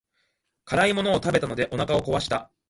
辛いものを食べたのでお腹を壊した。